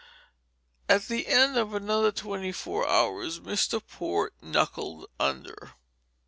At the end of another twenty four hours Mr. Port knuckled under.